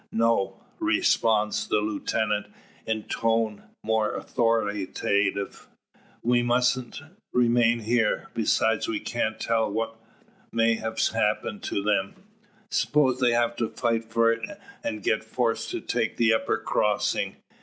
"No," responds the lieutenant, in tone more authoritative, "We mustn't remain here. Besides, we cant tell what may have happened to them. Suppose they have to fight for it, and get forced to take the upper crossing.